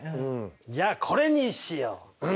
じゃあこれにしよう！